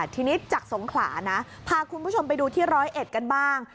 ทีนี้จากสงขลานะพาคุณผู้ชมไปดูที่ร้อยเอ็ดกันบ้าง